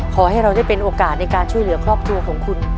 ขอให้เราได้เป็นโอกาสในการช่วยเหลือครอบครัวของคุณ